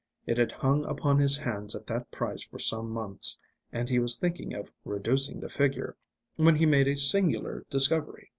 It had hung upon his hands at that price for some months, and he was thinking of "reducing the figure," when he made a singular discovery.